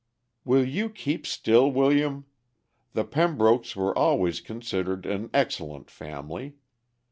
"Will you keep still, William? The Pembrokes were always considered an excellent family.